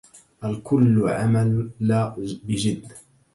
الكلّ عملَ بجدّ